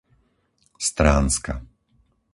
Stránska